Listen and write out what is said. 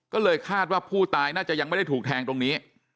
ก็เลยคาดว่าผู้ตายน่าจะยังไม่ได้ถูกแทงตรงนี้